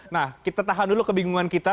nah kita tahan dulu kebingungan kita